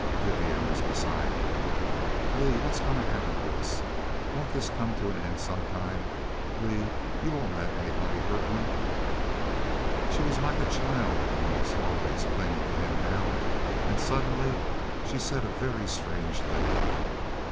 Vivian was beside him. "Lee, what's gonna happen to us? Won't this come to an end some time? Lee you won't let anybody hurt me?" She was like a child, almost always clinging to him now. And suddenly she said a very strange thing.